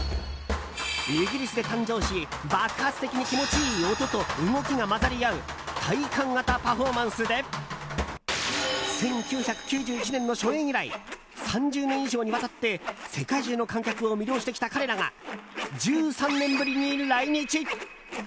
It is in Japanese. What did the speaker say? イギリスで誕生し爆発的に気持ちいい音と動きが混ざり合う体感型パフォーマンスで１９９１年の初演以来３０年以上にわたって世界中の観客を魅了してきた彼らが、１３年ぶりに来日。